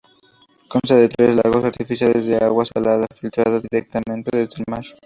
Consta de tres lagos artificiales de agua salada, filtrada directamente desde el mar.